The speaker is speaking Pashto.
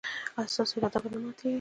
ایا ستاسو اراده به نه ماتیږي؟